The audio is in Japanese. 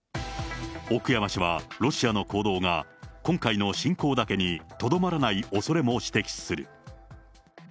奥山氏はロシアの行動が今回の侵攻だけにとどまらないおそれも指摘する。